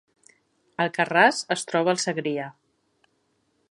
Alcarràs es troba al Segrià